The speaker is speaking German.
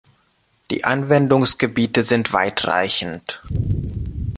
Die Anwendungsgebiete sind weitreichend.